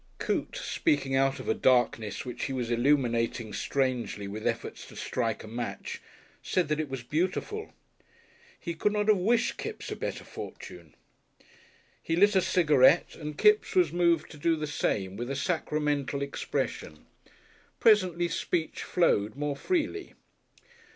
Coote, speaking out of a darkness which he was illuminating strangely with efforts to strike a match, said that it was beautiful. He could not have wished Kipps a better fortune.... He lit a cigarette, and Kipps was moved to do the same, with a sacramental expression. Presently speech flowed more freely.